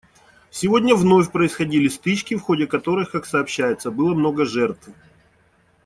Сегодня вновь происходили стычки, в ходе которых, как сообщается, было много жертв.